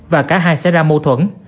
và cả hai xe ra mâu thuẫn